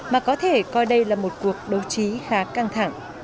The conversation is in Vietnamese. mà có thể coi đây là một cuộc đấu trí khá căng thẳng